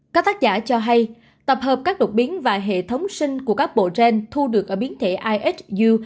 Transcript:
các tác giả cho hay tập hợp các đột biến và hệ thống sinh của các bộ gen thu được ở biến thể isu